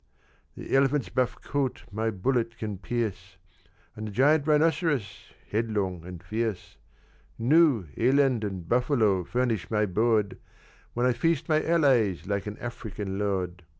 "The elephant's buff coat my bullet can pierce, And the giant rhinoceros, headlong and fierce; Gnu, eland, and buffalo furnish my board, When I feast my allies like an African lord.